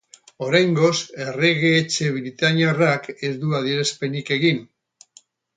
Oraingoz, errege-etxe britainiarrak ez du adierazpenik egin.